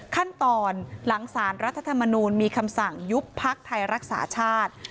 ขั้นตอนหลังสารรัฐธรรมนูลมีคำสั่งยุบพักไทยรักษาชาติ